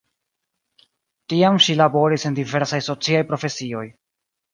Tiam ŝi laboris en diversaj sociaj profesioj.